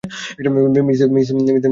Miss Rivera, high.